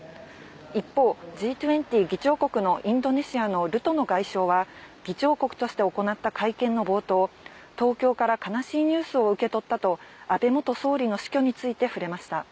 一方、Ｇ２０議長国のインドネシアのルトノ外相は、議長国として行った会見の冒頭、東京から悲しいニュースを受け取ったと、安倍元総理の死去について触れました。